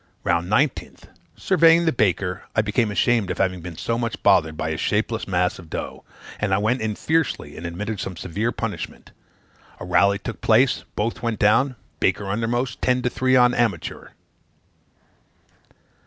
"Round 19th. Surveying the baker, I became ashamed of having been so much bothered by a shapeless mass of dough; and I went in fiercely, and administered some severe punishment. A rally took place both went down baker undermost ten to three on amateur.